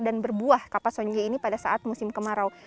dan berbuah kapas honjek ini pada saat musim kemarau